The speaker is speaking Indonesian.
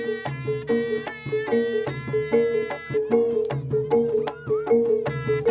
tentang orang orang yang mengabdikan hidup untuk alam agar seimbang